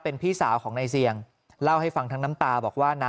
เป็นพี่สาวของนายเสี่ยงเล่าให้ฟังทั้งน้ำตาบอกว่านะ